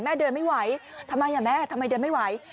เดินไม่ไหวทำไมแม่ทำไมเดินไม่ไหว